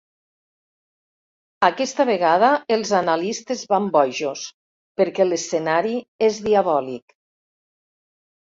Aquesta vegada els analistes van bojos, perquè l'escenari és diabòlic.